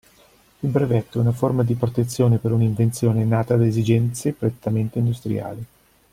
Il brevetto è una forma di protezione per un'invenzione nata da esigenze prettamente industriali.